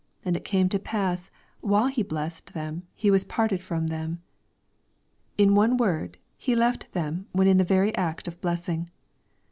And it came to pass, while He blessed them, He was parted from them." In one word, He left them when in the very act of blessing.